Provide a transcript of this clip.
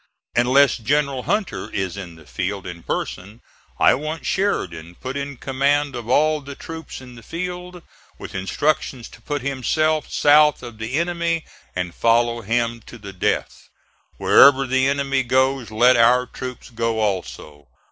Unless General Hunter is in the field in person, I want Sheridan put in command of all the troops in the field, with instructions to put himself south of the enemy and follow him to the death. Wherever the enemy goes let our troops go also.